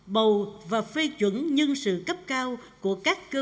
bầu và phê chuẩn nhân sự cấp cao của các cơ sở